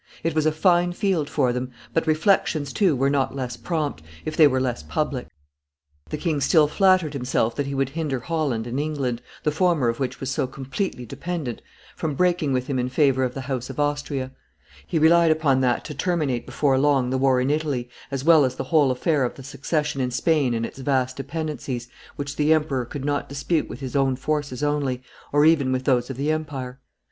It was a fine field for them: but reflections, too, were not less prompt, if they were less public. The king still flattered himself that he would hinder Holland and England, the former of which was so completely dependent, from breaking with him in favor of the house of Austria; he relied upon that to terminate before long the war in Italy, as well as the whole affair of the succession in Spain and its vast dependencies, which the emperor could not dispute with his own forces only, or even with those of the empire.